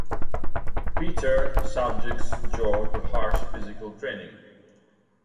Peter subjects Joe to harsh physical training.